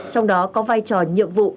trong đó có vai trò nhiệm vụ